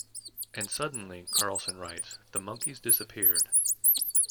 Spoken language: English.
And suddenly, Carlson writes, the monkeys disappeared.